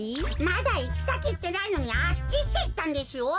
まだいきさきいってないのに「あっち」っていったんですよ。